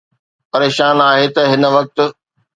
پريشان آهي ته هن وقت